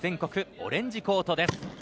オレンジコートです。